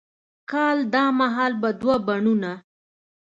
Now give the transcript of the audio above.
کال دا مهال به دوه بڼوڼه،